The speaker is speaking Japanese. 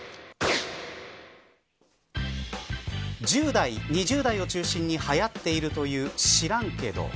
１０代、２０代を中心にはやっているという知らんけど。